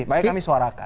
baik kami suarakan